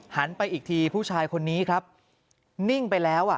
หันไปอีกทีผู้ชายคนนี้ครับนิ่งไปแล้วอ่ะ